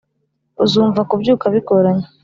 uzumva kubyuka bigoranye